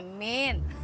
bu ini dimana sih